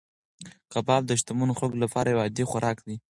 کباب د شتمنو خلکو لپاره یو عادي خوراک دی.